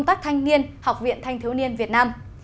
công tác thanh niên học viện thanh thiếu niên việt nam